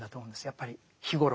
やっぱり日ごろ。